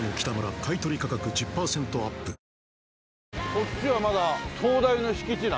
こっちはまだ東大の敷地内？